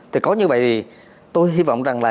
thì có như vậy thì tôi hy vọng rằng là